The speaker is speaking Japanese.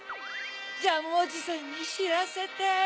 ジャムおじさんにしらせて。